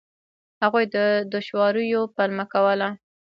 هغوی د دوشواریو پلمه کوله.